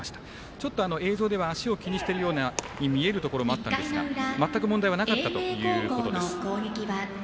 ちょっと、映像では足を気にしてるように見えるところもあったんですが全く問題なかったということです。